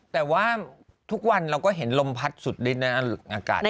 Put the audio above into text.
แต่ว่าทุกวันเราก็เห็นลมพัดสุดฤทนะอากาศดี